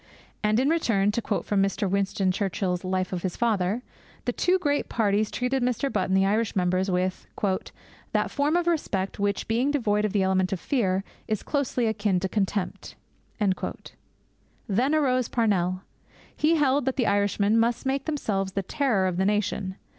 And in return to quote from Mr. Winston Churchill's life of his father the two great parties treated Mr. Butt and the Irish members with 'that form of respect which, being devoid of the element of fear, is closely akin to contempt.' Then arose Parnell. He held that the Irishmen must make themselves the terror of the nation.